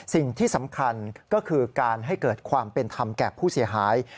สิ่งที่สำคัญก็คือการให้เกิดความเป็นธรรมแก่ผู้เสียหาย